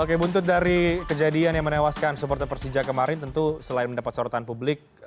oke buntut dari kejadian yang menewaskan supporter persija kemarin tentu selain mendapat sorotan publik